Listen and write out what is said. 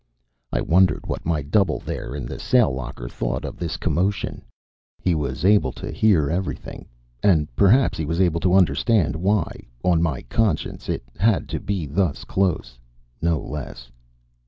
I wondered what my double there in the sail locker thought of this commotion. He was able to hear everything and perhaps he was able to understand why, on my conscience, it had to be thus close no less.